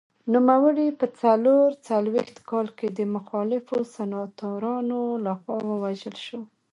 نوموړی په څلور څلوېښت کال کې د مخالفو سناتورانو لخوا ووژل شو.